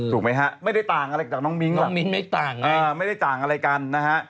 ถูกไหมฮะไม่ได้ต่างอะไรกับน้องมิ้งน้องมิ้งไม่ได้ต่างอะไรกันนะฮะ